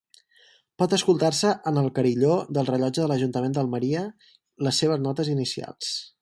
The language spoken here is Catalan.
Pot escoltar-se en el carilló del rellotge de l'Ajuntament d'Almeria les seves notes inicials.